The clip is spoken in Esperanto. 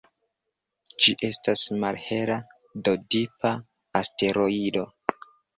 Ĝi estas malhela D-tipa asteroido.